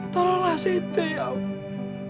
tolonglah siti ya allah